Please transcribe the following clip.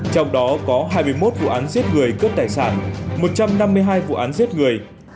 trong đó có hai mươi một vụ án giết người cướp tài sản một trăm năm mươi hai vụ án giết người